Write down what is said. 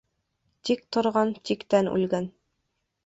Тик торған тиктән үлгән.